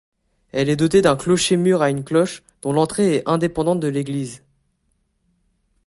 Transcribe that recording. Elle est dotée d'un clocher-mur à une cloche, dont l'entrée est indépendante de l'église.